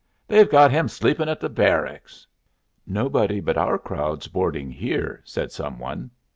They've got him sleepin' at the Barracks." "Nobody but our crowd's boarding here," said some one.